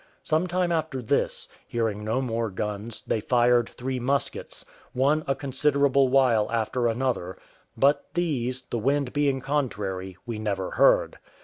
Some time after this, hearing no more guns, they fired three muskets, one a considerable while after another; but these, the wind being contrary, we never heard.